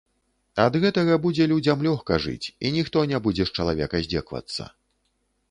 Ад гэтага будзе людзям лёгка жыць, і ніхто не будзе з чалавека здзекавацца.